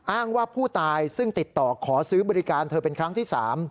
อ้างว่าผู้ตายซึ่งติดต่อขอซื้อบริการเธอเป็นครั้งที่๓